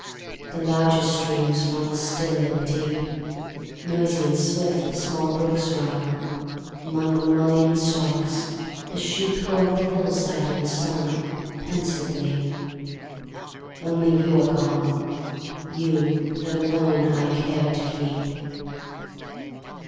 The larger streams run still and deep, Noisy and swift the small brooks run Among the mullein stalks the sheep Go up the hillside in the sun, Pensively, only you are gone, You that alone I cared to keep.